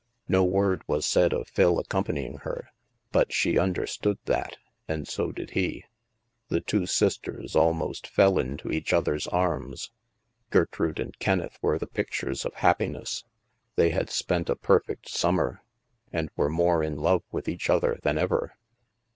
No word was said of Phil accompanying her, but she understood that, and so did he. The two sisters almost fell into each other's arms. Gertrude and Kenneth were the pictures of happi ness; they had spent a perfect summer, and were more in love with each other than ever.